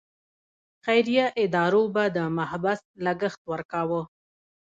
خیریه ادارو به د محبس لګښت ورکاوه.